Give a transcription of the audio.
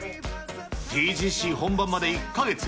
ＴＧＣ本番まで１か月。